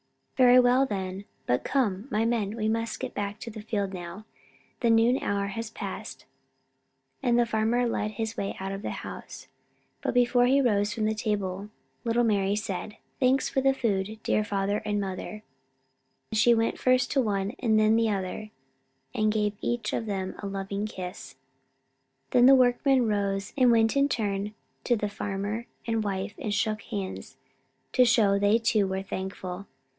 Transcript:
"Very well, then. But come, my men, we must get back to the field now. The noon hour has passed." And the farmer led the way out of the house. But before he rose from the table little Mari said: "Thanks for the food, dear father and mother," while she went first to one, then the other, and gave each of them a loving kiss. Then the workmen rose and went in turn to the farmer and his wife and shook hands, to show they, too, were thankful.